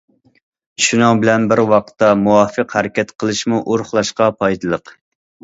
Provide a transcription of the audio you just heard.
شۇنىڭ بىلەن بىر ۋاقىتتا، مۇۋاپىق ھەرىكەت قىلىشمۇ ئورۇقلاشقا پايدىلىق.